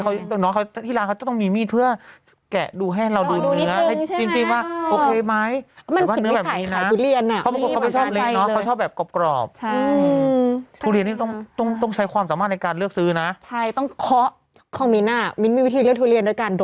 ไม่ค่อยเห็นมีมีดตี้หรือไม่มีมีดบางคนเขาขายแบบยกรูปไปเลยไม่มีมีด